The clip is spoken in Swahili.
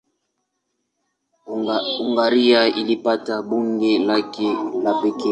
Hungaria ilipata bunge lake la pekee.